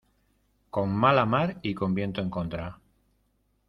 con mala mar y con viento en contra